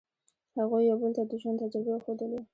هغوی یو بل ته د ژوند تجربې وښودلې.